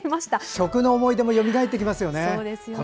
食の思い出もよみがえってきますよね。